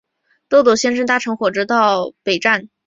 豆豆先生搭乘火车到达巴黎北站。